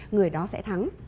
người đó sẽ thắng